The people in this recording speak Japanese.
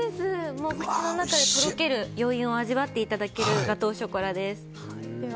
口の中でとろける余韻を味わっていただけるガトーショコラです。